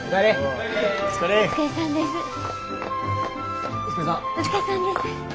お疲れさんです。